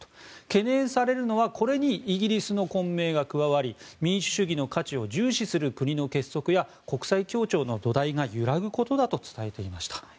懸念されるのはこれにイギリスの混迷が加わり民主主義の価値を重視する国の結束や国際協調の土台が揺らぐことだと伝えていました。